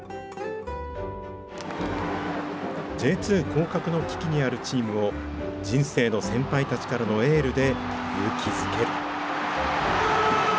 Ｊ２降格の危機にあるチームを、人生の先輩たちからのエールで勇気づける。